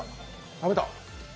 食べた。